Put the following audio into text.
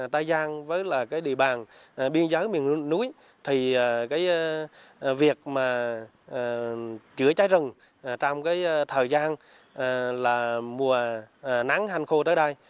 tây giang với địa bàn biên giới miền núi thì việc chữa cháy rừng trong thời gian mùa nắng hành khô tới đây